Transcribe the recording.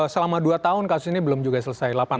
selama dua tahun kasus ini belum juga selesai